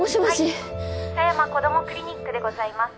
「はいさやま・こどもクリニックでございます」